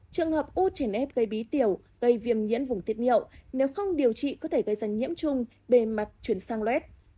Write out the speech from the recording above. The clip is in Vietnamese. trường hợp u trền ép gây bí tiểu gây viêm nhiễm vùng tiết miệng nếu không điều trị có thể gây ra nhiễm chung bề mặt chuyển sang loét